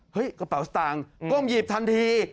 เฮ้ยกระเป๋าสตางก์ก้มหยีบทันที